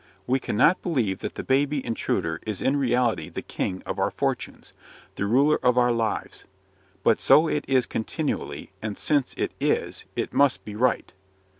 We cannot believe that the baby intruder is in reality the king of our fortunes; the ruler of our lives. But so it is continually; and since IT IS, it must be right.